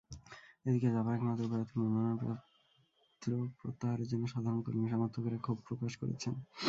এদিকে জাপার একমাত্র প্রার্থীর মনোনয়নপত্র প্রত্যাহারের জন্য সাধারণ কর্মী-সমর্থকেরা ক্ষোভ প্রকাশ করেছেন।